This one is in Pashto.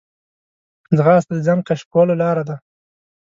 ځغاسته د ځان کشف کولو لاره ده